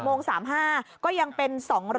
๑๐โมง๓๕ก็ยังเป็น๒๒๓